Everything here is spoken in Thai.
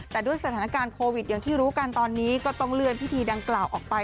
แต่ด้วยสถานการณ์โควิดอย่างที่รู้กันตอนนี้ก็ต้องเลื่อนพิธีดังกล่าวออกไป